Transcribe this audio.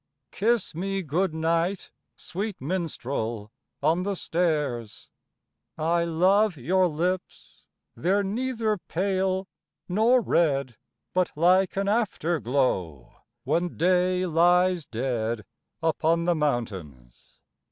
V Kiss me good night, sweet minstrel, on the stairs! I love your lips, they're neither pale nor red, But like an after glow, when day lies dead Upon the mountains.